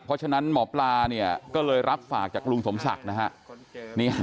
เพราะฉะนั้นหมอปลาเนี่ยก็เลยรับฝากจากลุงสมศักดิ์นะฮะ